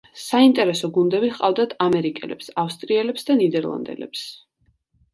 საინტერესო გუნდები ჰყავდათ ამერიკელებს, ავსტრიელებს და ნიდერლანდელებს.